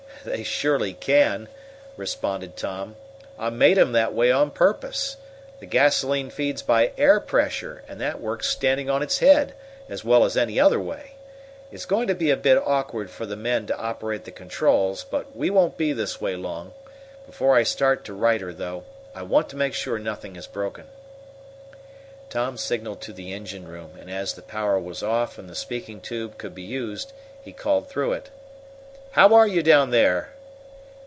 "They surely can!" responded Tom. "I made 'em that way on purpose. The gasolene feeds by air pressure, and that works standing on its head, as well as any other way. It's going to be a bit awkward for the men to operate the controls, but we won't be this way long. Before I start to right her, though, I want to make sure nothing is broken." Tom signaled to the engine room, and, as the power was off and the speaking tube could be used, he called through it: "How are you down there?"